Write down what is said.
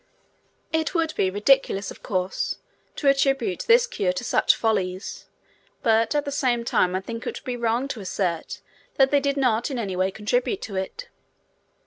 It would be ridiculous, of course, to attribute this cure to such follies, but at the same time I think it would be wrong to assert that they did not in any way contribute to it.